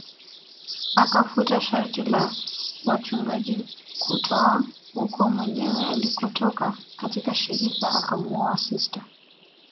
Akafuta sharti la wachungaji kutooa uku Mwenyewe alitoka katika shirika akamuoa sista